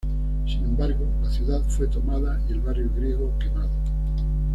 Sin embargo, la ciudad fue tomada y el barrio griego quemado.